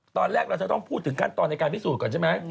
ตอนแรกเราจะต้องพูดถึงขั้นตอนในการพิสูจน์ก่อนใช่ไหม